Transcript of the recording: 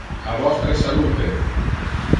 A vostre salute!